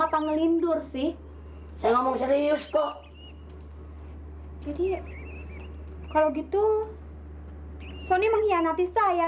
apa ngelindur sih saya ngomong serius kok jadi kalau gitu sonny mengkhianati saya